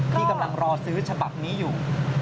ที่กำลังรอซื้อฉบับนี้อยู่